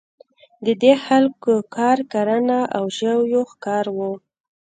د دې خلکو کار کرنه او ژویو ښکار وو.